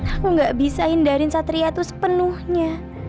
aku nggak bisa hindarin satria itu sepenuhnya